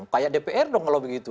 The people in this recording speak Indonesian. kayak dpr dong kalau begitu